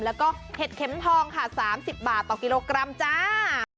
แล้วก็เห็ดเข็มทองค่ะ๓๐บาทต่อกิโลกรัมจ้า